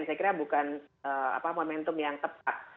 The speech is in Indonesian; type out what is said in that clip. saya kira bukan momentum yang tepat